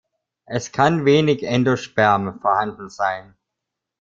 Es kann wenig Endosperm vorhanden sein.